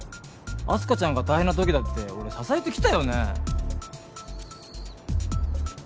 あす花ちゃんが大変な時だって俺支えてきたよね？